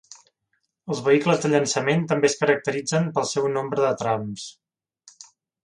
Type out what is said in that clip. Els vehicles de llançament també es caracteritzen pel seu nombre de trams.